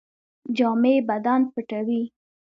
جامې بدن پټوي